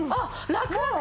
ラクラク！